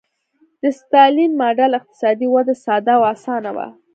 د ستالین ماډل اقتصادي وده ساده او اسانه وه